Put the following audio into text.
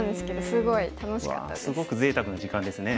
すごくぜいたくな時間ですね。